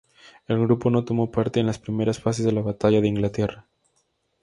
El grupo no tomó parte en las primeras fases de la Batalla de Inglaterra.